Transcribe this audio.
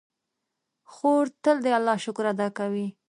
خور تل د الله شکر ادا کوي.